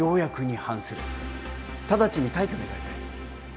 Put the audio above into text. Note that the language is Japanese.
直ちに退去願いたい。